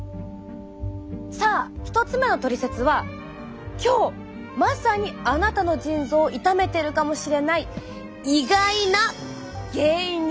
さあ１つ目のトリセツは今日まさにあなたの腎臓をいためてるかもしれない意外な原因について。